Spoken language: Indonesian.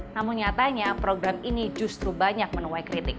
namun nyatanya program ini justru banyak menuai kritik